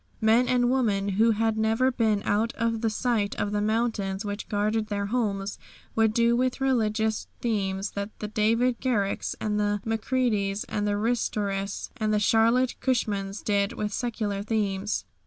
Men and women who had never been out of the sight of the mountains which guarded their homes would do with religious themes what the David Garricks and the Macreadys and the Ristoris and the Charlotte Cushmans did with secular themes.